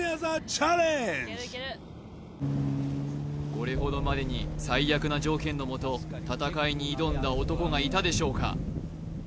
これほどまでに最悪な条件のもと戦いに挑んだ男がいたでしょうか？